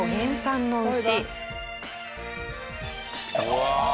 うわ！